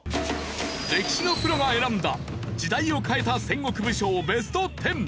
歴史のプロが選んだ時代を変えた戦国武将ＢＥＳＴ１０。